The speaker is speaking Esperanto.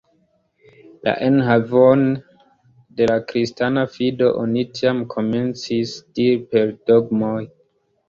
La enhavon de la kristana fido oni tiam komencis diri per dogmoj.